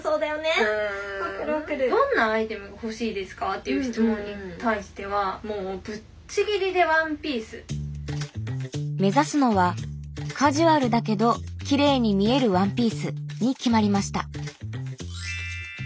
という質問に対してはもう目指すのは「カジュアルだけどきれいに見えるワンピース」に決まりました。